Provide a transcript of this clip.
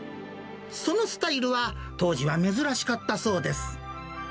そのスタイルは当時は珍しかったそうです。